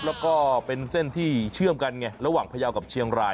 แล้วก็เป็นเส้นที่เชื่อมกันไงระหว่างพยาวกับเชียงราย